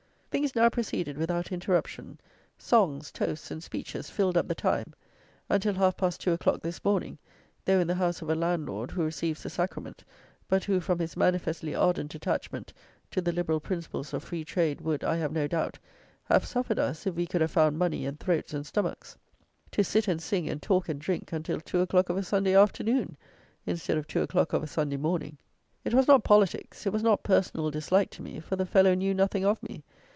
Things now proceeded without interruption; songs, toasts, and speeches filled up the time, until half past two o'clock this morning, though in the house of a landlord who receives the sacrament, but who, from his manifestly ardent attachment to the "liberal principles" of "free trade," would, I have no doubt, have suffered us, if we could have found money and throats and stomachs, to sit and sing and talk and drink until two o'clock of a Sunday afternoon instead of two o'clock of a Sunday morning. It was not politics; it was not personal dislike to me; for the fellow knew nothing of me.